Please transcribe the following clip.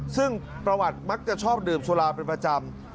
ซึ่งประวัติมักจะชอบดื่มสุราเป็นประจำ